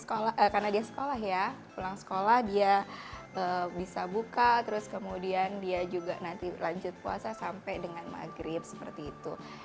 karena dia sekolah ya pulang sekolah dia bisa buka terus kemudian dia juga nanti lanjut puasa sampai dengan maghrib seperti itu